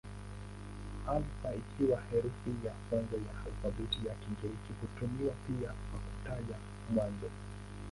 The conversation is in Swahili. Alfa ikiwa herufi ya kwanza ya alfabeti ya Kigiriki hutumiwa pia kwa kutaja mwanzo.